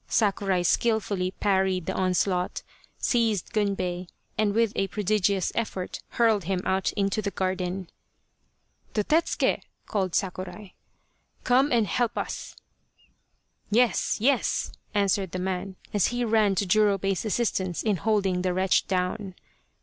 Sakurai skilfully parried the onslaught, seized Gunbei, and with a prodigious effort hurled him out into the garden. " Dotetsuke !" called Sakurai, " come and help us!" " Yes, yes !" answered the man, as he ran to Jurobei's assistance in holding the wretch down.